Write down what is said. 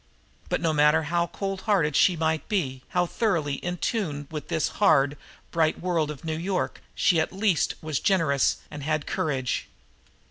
But no matter how cold hearted she might be, how thoroughly in tune with this hard, bright world of New York, she at least was generous and had courage.